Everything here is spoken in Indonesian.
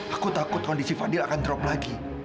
aku takut kondisi fadil akan drop lagi